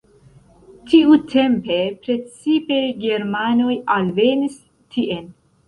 Tiutempe precipe germanoj alvenis tien.